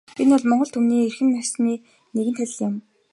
Энэ бол монгол түмний эрхэм ёсны нэгэн тайлал юм.